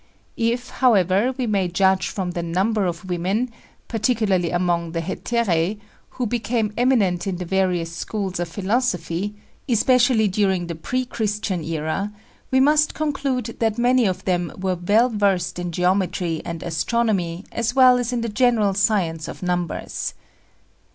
If, however, we may judge from the number of women particularly among the hetæræ who became eminent in the various schools of philosophy, especially during the pre Christian era, we must conclude that many of them were well versed in geometry and astronomy as well as in the general science of numbers.